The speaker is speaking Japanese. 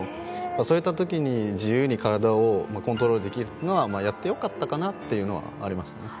そういった時に自由に体をコントロールできるのはやって良かったかなというのはあります。